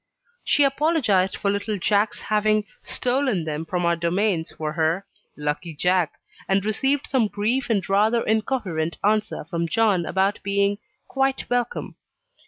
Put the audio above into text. She apologized for little Jack's having "stolen" them from our domains for her lucky Jack! and received some brief and rather incoherent answer from John about being "quite welcome."